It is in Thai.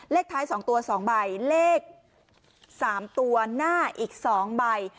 เลขท้ายสองตัวสองใบเลขสามตัวหน้าอีกสองใบ